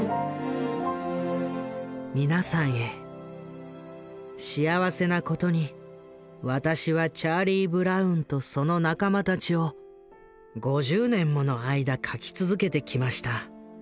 「皆さんへ幸せなことに私はチャーリー・ブラウンとその仲間たちを５０年もの間描き続けてきました。